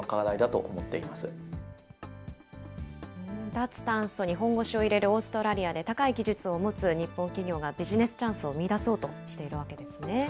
脱炭素に本腰を入れるオーストラリアで高い技術を持つ日本企業がビジネスチャンスを見いだそうとしているわけですね。